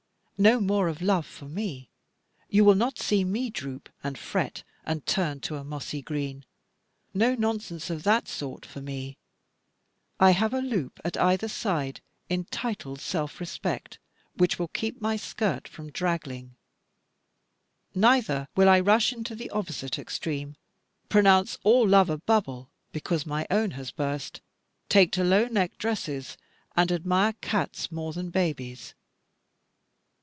No more of love for me. You will not see me droop, and fret, and turn to a mossy green. No nonsense of that sort for me: I have a loop at either side entitled self respect, which will keep my skirt from draggling. Neither will I rush into the opposite extreme, pronounce all love a bubble because my own has burst, take to low necked dresses, and admire cats more than babies.